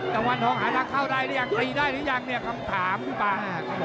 วันทองหาทางเข้าได้หรือยังตีได้หรือยังเนี่ยคำถามพี่ป่า